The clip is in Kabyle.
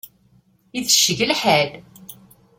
Itecceg lḥal.